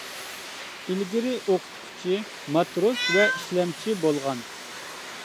ئىلگىرى ئوقۇتقۇچى، ماتروس ۋە ئىشلەمچى بولغان.